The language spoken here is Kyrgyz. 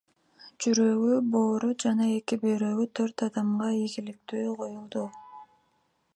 Жүрөгү, боору жана эки бөйрөгү төрт адамга ийгиликтүү коюлду.